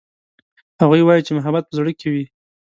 هغوی وایي چې محبت په زړه کې وي